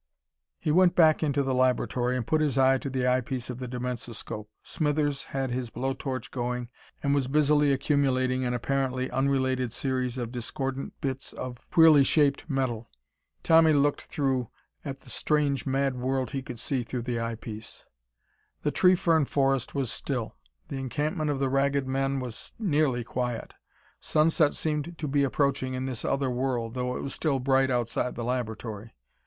He went back into the laboratory and put his eye to the eyepiece of the dimensoscope. Smithers had his blow torch going and was busily accumulating an apparently unrelated series of discordant bits of queerly shaped metal. Tommy looked through at the strange mad world he could see through the eyepiece. The tree fern forest was still. The encampment of the Ragged Men was nearly quiet. Sunset seemed to be approaching in this other world, though it was still bright outside the laboratory.